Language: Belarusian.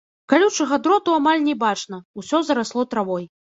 Калючага дроту амаль не бачна, усё зарасло травой.